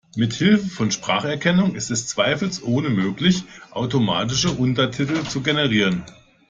Mithilfe von Spracherkennung ist es zweifelsohne möglich, automatische Untertitel zu generieren.